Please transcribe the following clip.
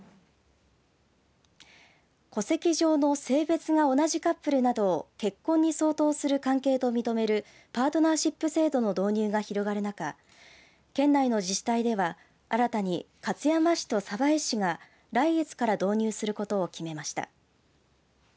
戸籍上の性別が同じカップルなどを結婚に相当する関係と認めるパートナーシップ制度の導入が広がる中県内の自治体では新たに勝山市と鯖江市が来月から導入することを決めました。